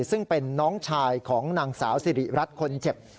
ซึ่งเป็นน้องชายของนางสาวสิริรัตน์คนเจ็บ